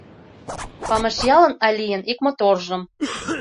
Памашъялын Алийын ик моторжым